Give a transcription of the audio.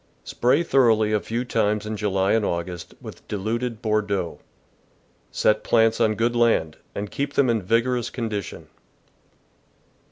— Spray thoroughly a few times in July and August with diluted Bordeaux. Set plants on good land, and keep them in vigorous condition.